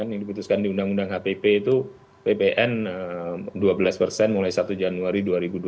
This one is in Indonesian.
yang diputuskan di undang undang hpp itu ppn dua belas persen mulai satu januari dua ribu dua puluh